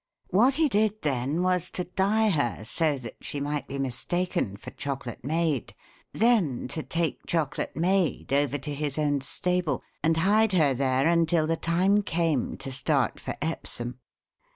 What he did then was to dye her so that she might be mistaken for Chocolate Maid, then to take Chocolate Maid over to his own stable and hide her there until the time came to start for Epsom.